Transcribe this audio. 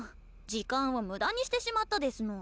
時間を無駄にしてしまったですの。